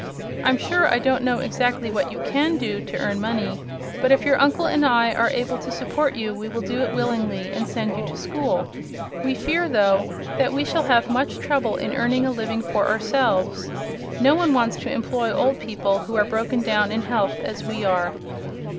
I'm sure I don't know exactly what you CAN do to earn money, but if your uncle and I are able to support you we will do it willingly, and send you to school. We fear, though, that we shall have much trouble in earning a living for ourselves. No one wants to employ old people who are broken down in health, as we are."